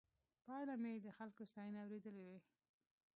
په اړه مې یې د خلکو ستاينې اورېدلې وې.